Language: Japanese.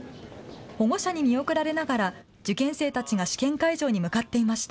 保護者に見送られながら受験生たちが試験会場に向かっていました。